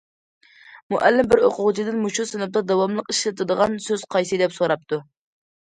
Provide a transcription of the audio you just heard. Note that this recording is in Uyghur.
مۇئەللىم بىر ئوقۇغۇچىدىن:« مۇشۇ سىنىپتا داۋاملىق ئىشلىتىدىغان سۆز قايسى؟» دەپ سوراپتۇ.